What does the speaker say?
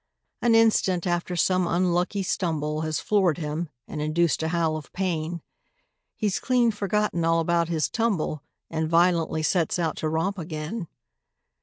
An instant after some unlucky stumble Has floored him and induced a howl of pain, He's clean forgotten all about his tumble And violently sets out to romp again.